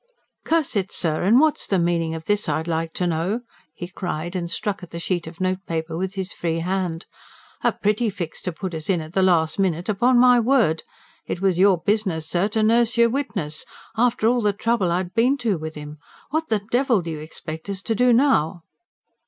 "Curse it, sir, and what's the meaning of this, I'd like to know?" he cried, and struck at the sheet of notepaper with his free hand. "A pretty fix to put us in at the last minute, upon my word! It was your business, sir, to nurse your witness ... after all the trouble I'd been to with him! What the devil do you expect us to do now?"